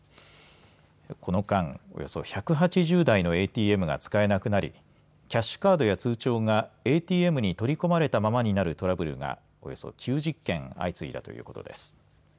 この間、およそ１８０台のＡＴＭが使えなくなりキャッシュカードや通帳がＡＴＭに取り込まれたままになるトラブルがおよそ９０件相次いだということです。